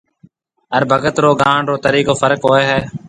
هر ڀگت رو گاڻ رو طريقو فرق هوئي هي